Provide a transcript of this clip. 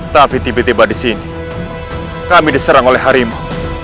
tapi tiba tiba di sini kami diserang oleh harimau